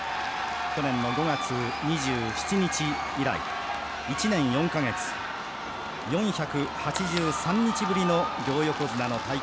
去年の５月２７日以来１年４か月４８３日ぶりの両横綱の対決。